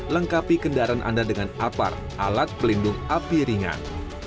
lengkapi kendaraan anda dengan apar alat pelindung api ringan